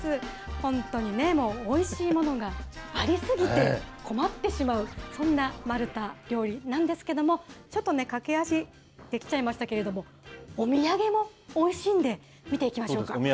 本当にね、もう、おいしいものがあり過ぎて、困ってしまう、そんなマルタ料理なんですけれども、ちょっとね、駆け足できちゃいましたけれども、お土産もおいしいんで、見ていきましょうか。